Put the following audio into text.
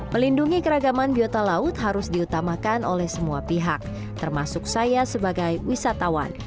melindungi keragaman biota laut harus diutamakan oleh semua pihak termasuk saya sebagai wisatawan